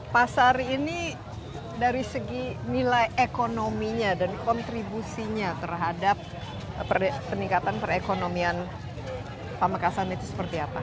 pasar ini dari segi nilai ekonominya dan kontribusinya terhadap peningkatan perekonomian pamekasan itu seperti apa